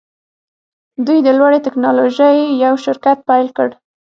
دوی د لوړې ټیکنالوژۍ یو شرکت پیل کړ